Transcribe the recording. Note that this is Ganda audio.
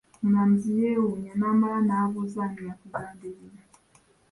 Omulamuzi ye wuunya n'amala na buuza, ani ya kugambye bino?